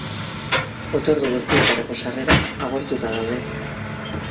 Otordu guztietarako sarrerak agortuta daude.